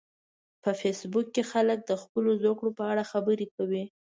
په فېسبوک کې خلک د خپلو زده کړو په اړه خبرې کوي